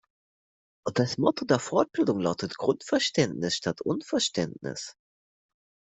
Das Motto der Fortbildung lautet Grundverständnis statt Unverständnis.